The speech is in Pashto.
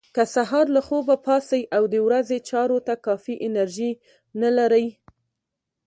که سهار له خوبه پاڅئ او د ورځې چارو ته کافي انرژي نه لرئ.